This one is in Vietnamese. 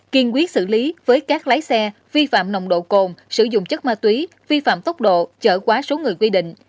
kiên quyết xử lý với các lái xe vi phạm nồng độ cồn sử dụng chất ma túy vi phạm tốc độ chở quá số người quy định